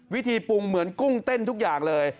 วิธีปรุงเหมือนกุ้งเต้นทุกอย่างเลย